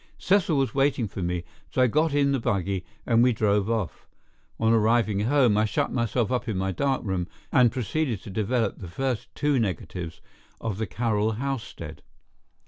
Cecil was waiting for me, so I got in the buggy and we drove off. On arriving home I shut myself up in my dark room and proceeded to develop the first two negatives of the Carroll housestead.